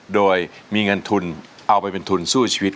โดยมีเงินทุนเอาไปเป็นทุนสู้ชีวิต